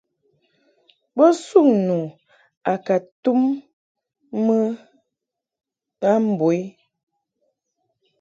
Bo suŋ nu a ka tum mɨ a mbo u.